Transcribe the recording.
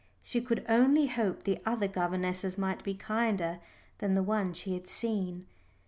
She could only hope the other governesses might be kinder than the one she had seen.